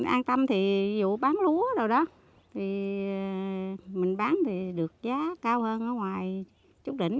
an tâm thì dụ bán lúa mình bán được giá cao hơn ở ngoài chút đỉnh